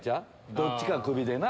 どっちかクビでな。